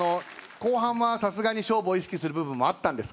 後半はさすがに勝負を意識する部分もあったんですか？